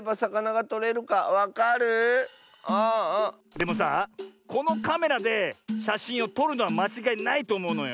でもさこのカメラでしゃしんをとるのはまちがいないとおもうのよ。